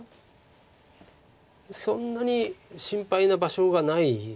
そんなに心配な場所がないです黒は。